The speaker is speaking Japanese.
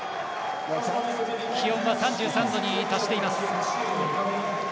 気温は３３度に達しています。